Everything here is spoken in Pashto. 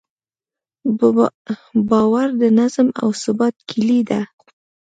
باور د نظم او ثبات کیلي ده.